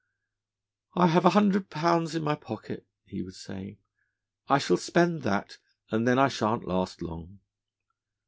"I have a hundred pounds in my pocket," he would say; "I shall spend that, and then I shan't last long."